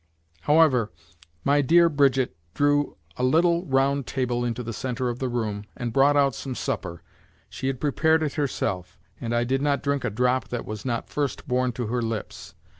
However, my dear Brigitte drew a little round table into the center of the room and brought out some supper. She had prepared it herself and I did not drink a drop that was not first borne to her lips.